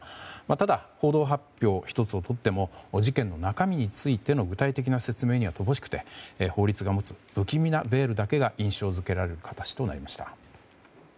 ただ、報道発表１つをとっても事件の中身についての具体的な説明には乏しくて法律が持つ不気味なベールだけが印象付けられる形となりました。